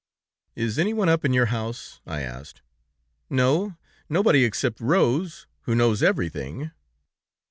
'Is anyone up in your house?' I asked. 'No, nobody except Rose, who knows everything.'